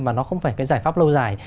và nó không phải cái giải pháp lâu dài